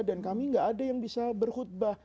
dan kami enggak ada yang bisa berkhutbah